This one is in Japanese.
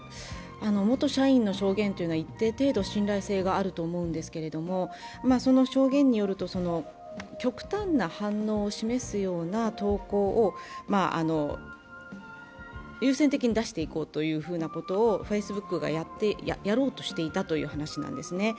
元社員の証言というのは一定程度信頼性があると思うんですけれどその証言によると、極端な反応を示すような投稿を優先的に出していこうということをＦａｃｅｂｏｏｋがやろうとしていたという話なんですね。